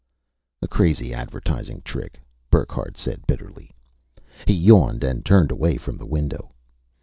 "A crazy advertising trick," Burckhardt said bitterly. He yawned and turned away from the window.